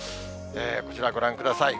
こちら、ご覧ください。